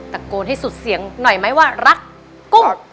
ตะโกนให้สุดเสียงหน่อยไหมว่ารักกุ้ง